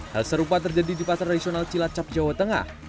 hal serupa terjadi di pasar tradisional cilacap jawa tengah